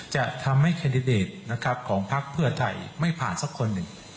จะทำให้แคนดิเดตของภาคเมื่อไทยไม่ผ่านสักคน